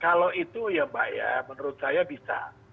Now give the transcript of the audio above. kalau itu ya pak menurut saya bisa